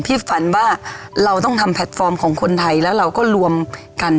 ฝันว่าเราต้องทำแพลตฟอร์มของคนไทยแล้วเราก็รวมกัน